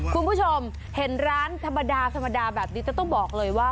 คุณผู้ชมเห็นร้านธรรมดาธรรมดาแบบนี้จะต้องบอกเลยว่า